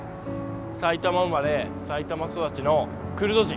埼玉生まれ埼玉育ちのクルド人。